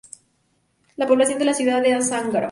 La población de la ciudad de Azángaro.